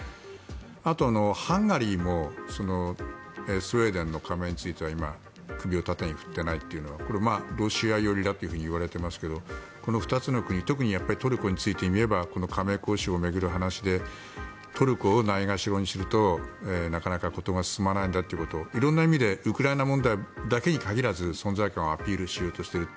あと、ハンガリーもスウェーデンの加盟については今首を縦に振ってないというのはこれはロシア寄りだといわれてますけどこの２つの国特にトルコについていえばこの加盟交渉を巡る話でトルコをないがしろにするとなかなか事が進まないんだということを色んな意味でウクライナ問題だけに限らず存在感をアピールしようとしていると。